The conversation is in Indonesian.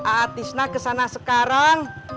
aatisna kesana sekarang